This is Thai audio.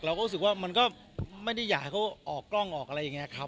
เราก็รู้สึกว่ามันก็ไม่ได้อยากให้เขาออกกล้องออกอะไรอย่างนี้ครับ